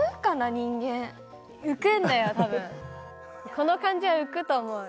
この感じは浮くと思う。